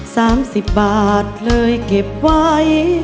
สามสิบบาทเลยเก็บไว้